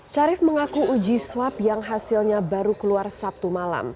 syarif mengaku uji swab yang hasilnya baru keluar sabtu malam